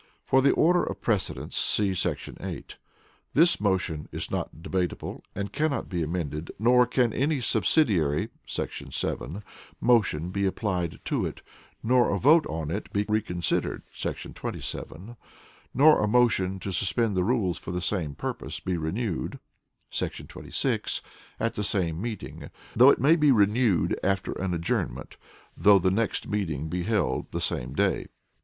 [For the order of precedence, see § 8.] This motion is not debatable, and cannot be amended, nor can any subsidiary [§ 7] motion be applied to it, nor a vote on it be reconsidered [§ 27], nor a motion to suspend the rules for the same purpose be renewed [§ 26] at the same meeting, though it may be renewed after an adjournment, though the next meeting be held the same day.